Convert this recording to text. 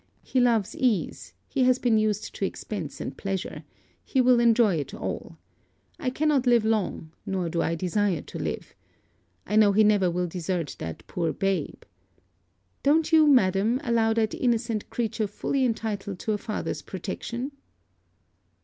He loves ease; he has been used to expence and pleasure he will enjoy it all. I cannot live long, nor do I desire to live. I know he never will desert that poor babe Don't you, madam, allow that innocent creature fully entitled to a father's protection?'